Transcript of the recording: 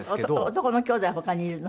男の兄弟他にいるの？